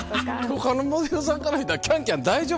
他のモデルさんから見たら『ＣａｎＣａｍ』大丈夫か？